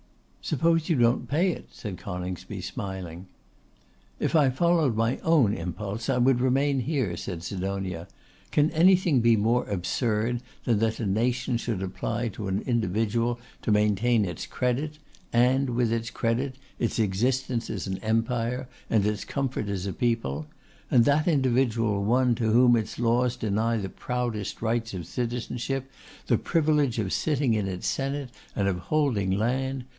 'Suppose you don't pay it,' said Coningsby, smiling. 'If I followed my own impulse, I would remain here,' said Sidonia. 'Can anything be more absurd than that a nation should apply to an individual to maintain its credit, and, with its credit, its existence as an empire, and its comfort as a people; and that individual one to whom its laws deny the proudest rights of citizenship, the privilege of sitting in its senate and of holding land?